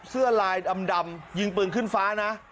เสื้อลายดำยิงปืนขึ้นฟ้านะ